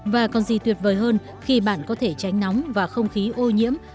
và còn gì tuyệt vời hơn khi bạn có thể tránh nóng và không khí ô nhiễm